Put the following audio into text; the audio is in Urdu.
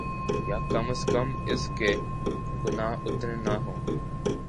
یاکم ازکم اس کے گناہ اتنے نہ ہوں۔